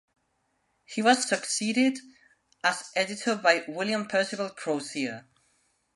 He was succeeded as editor by William Percival Crozier.